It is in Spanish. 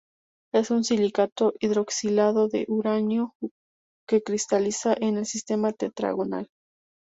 Es un silicato hidroxilado de uranio, que cristaliza en el sistema Tetragonal.